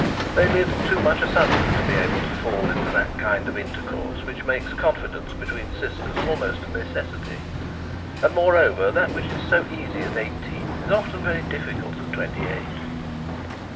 They lived too much asunder to be able to fall into that kind of intercourse which makes confidence between sisters almost a necessity; and, moreover, that which is so easy at eighteen is often very difficult at twenty eight.